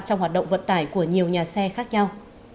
trong hoạt động vận tải của nhiều nhà xe khác nhau